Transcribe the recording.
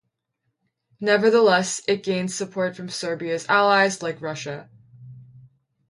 Nevertheless, it gained support from Serbia's allies, like Russia.